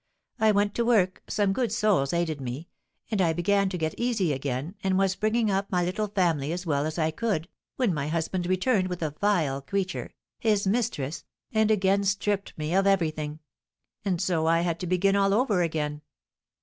I went to work; some good souls aided me, and I began to get easy again, and was bringing up my little family as well as I could, when my husband returned with a vile creature, his mistress, and again stripped me of everything; and so I had to begin all over again."